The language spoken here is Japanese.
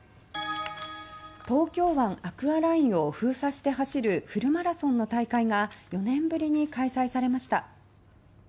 東京湾アクアラインを封鎖して走るフルマラソンの大会が４年ぶりに開催されました。